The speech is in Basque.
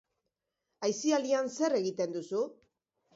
Aisialdian zer egiten duzu?